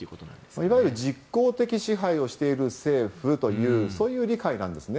いわゆる実効的支配をしている政府というそういう理解なんですね。